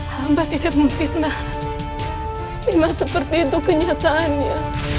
hamba tidak memfitnah memang seperti itu kenyataannya